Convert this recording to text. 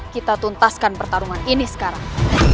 kita tuntaskan pertarungan ini sekarang